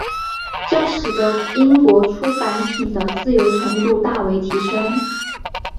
这使得英国出版品的自由程度大为提升。